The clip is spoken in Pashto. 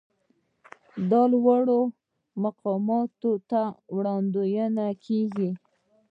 دا لوړو مقاماتو ته وړاندې کیږي.